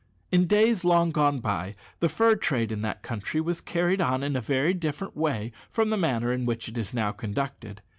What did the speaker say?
In days long gone by the fur trade in that country was carried on in a very different way from the manner in which it is now conducted.